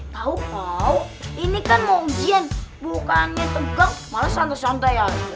tau kau ini kan mau ujian bukannya tegang malah santai santai aja